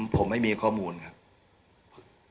ผมไม่มีข้อมูลครับ